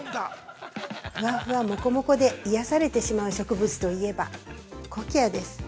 ◆ふわふわモコモコで癒やされてしまう植物といえばコキアです。